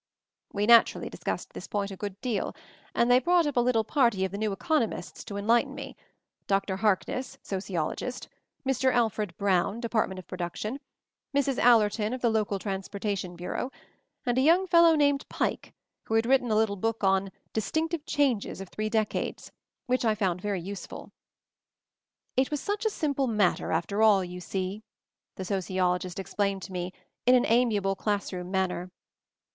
We naturally discussed this point a good deal, and they brought up a little party of the new economists to enlighten me — Dr. Harkness, sociologist; Mr. Alfred Brown, Department of Production; Mrs. Allerton of the Local Transportation Bureau ; and a young fellow named Pike, who had written a little book on "Distinctive Changes of Three Decades," which I found very useful. "It was such a simple matter, after all, you see," the sociologist explained to me, in an amiable class room manner.